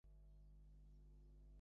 এখানে তার থেকে যাওয়ার কী কারণ হতে পারে?